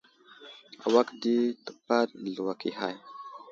Awak di təpaɗ zluwak i hay.